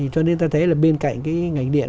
cho nên ta thấy là bên cạnh cái ngành điện